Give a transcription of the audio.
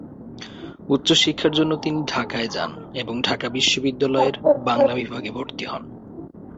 উচ্চ শিক্ষার জন্য তিনি ঢাকায় যান এবং ঢাকা বিশ্ববিদ্যালয়ের বাংলা বিভাগে ভর্তি হন।